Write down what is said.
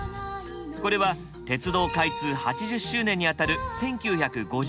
これは鉄道開通８０周年にあたる１９５２年に設置。